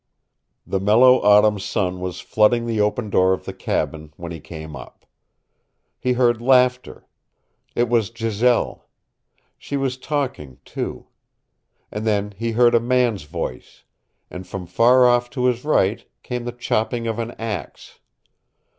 The mellow autumn sun was flooding the open door of the cabin when he came up. He heard laughter. It was Giselle. She was talking, too. And then he heard a man's voice and from far off to his right came the chopping of an axe.